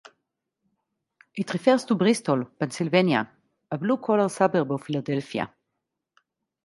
It refers to Bristol, Pennsylvania, a blue collar suburb of Philadelphia.